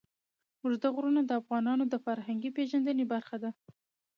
اوږده غرونه د افغانانو د فرهنګي پیژندنې برخه ده.